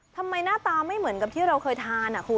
หน้าตาไม่เหมือนกับที่เราเคยทานคุณ